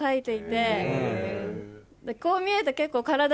こう見えて結構。